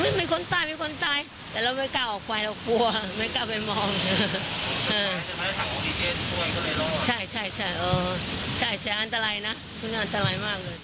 ใช่ใช้อันตรายนะชุดอันตรายมากเลย